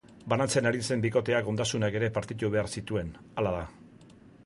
Banantzen ari zen bikoteak ondasunak ere partitu behar zituen, hala da.